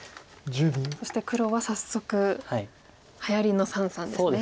そして黒は早速はやりの三々ですね。